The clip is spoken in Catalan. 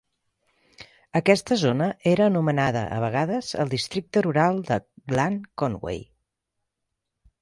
Aquesta zona era anomenada a vegades el districte rural de Glan Conway.